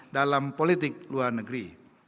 dalam politik luar negeri